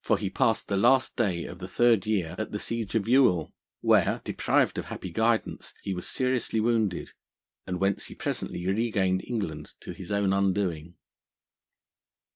For he passed the last day of the third year at the siege of Youghal, where; deprived of happy guidance, he was seriously wounded, and whence he presently regained England to his own undoing.